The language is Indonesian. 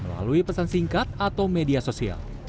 melalui pesan singkat atau media sosial